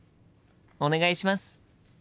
お願いします。